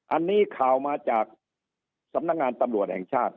อันนี้ข่าวมาจากสำนักงานตำรวจแห่งชาติ